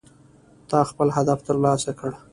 تا خپل هدف ترلاسه کړ